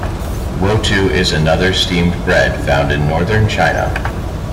Wotou is another steamed bread found in northern China.